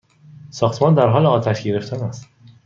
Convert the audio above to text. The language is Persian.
ساختمان در حال آتش گرفتن است!